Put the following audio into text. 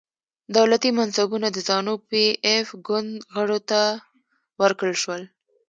دولتي منصبونه د زانو پي ایف ګوند غړو ته ورکړل شول.